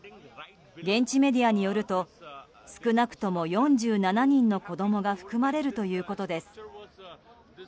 現地メディアによると少なくとも４７人の子供が含まれるということです。